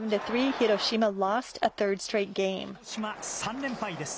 広島、３連敗です。